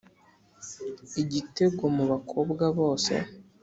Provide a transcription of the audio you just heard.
igitego mu bakobwa bose